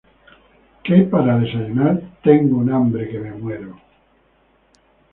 ¿Qué hay para desayunar? Tengo un hambre que me muero.